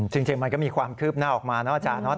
จริงมันก็มีความคืบหน้าออกมานะอาจารย์เนาะ